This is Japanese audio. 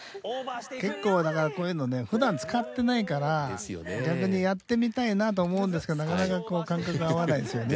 結構だからこういうのねふだん使ってないから逆にやってみたいなと思うんですけどなかなか感覚合わないですよね。